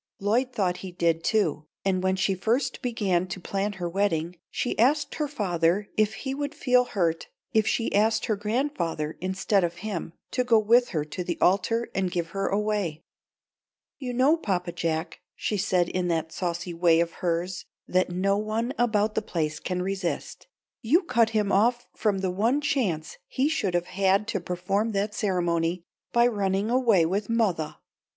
Lloyd thought he did, too, and when she first began to plan her wedding she asked her father if he would feel hurt if she asked her grandfather instead of him to go with her to the altar and give her away. "You know, Papa Jack," she said in that saucy way of hers that no one about the place can resist, "you cut him off from the one chance he should have had to perform that ceremony, by running away with mothah.